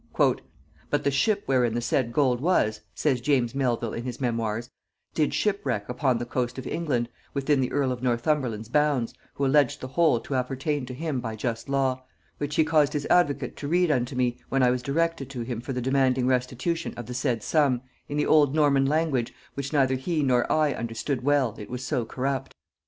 "But the ship wherein the said gold was," says James Melvil in his memoirs, "did shipwrack upon the coast of England, within the earl of Northumberland's bounds, who alleged the whole to appertain to him by just law, which he caused his advocate to read unto me, when I was directed to him for the demanding restitution of the said sum, in the old Norman language, which neither he nor I understood well, it was so corrupt.